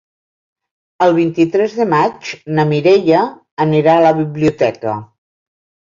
El vint-i-tres de maig na Mireia anirà a la biblioteca.